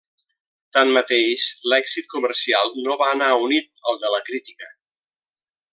Tanmateix, l'èxit comercial no va anar unit al de la crítica.